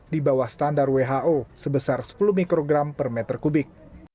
di bawah standar who sebesar sepuluh mikrogram per meter kubik